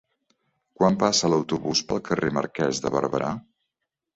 Quan passa l'autobús pel carrer Marquès de Barberà?